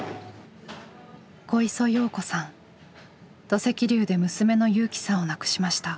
土石流で娘の友紀さんを亡くしました。